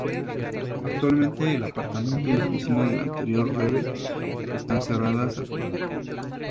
Actualmente, el apartamento y la oficina del anterior Rebe están cerradas al público.